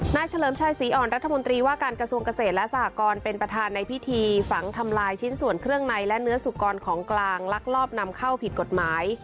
เฉลิมชัยศรีอ่อนรัฐมนตรีว่าการกระทรวงเกษตรและสหกรเป็นประธานในพิธีฝังทำลายชิ้นส่วนเครื่องในและเนื้อสุกรของกลางลักลอบนำเข้าผิดกฎหมาย